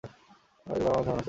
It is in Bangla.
এবার আমার ধারণা শুনুন।